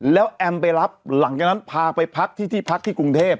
แล้วแอมไปรับหลังจากนั้นพาไปพักที่ที่พักที่กรุงเทพ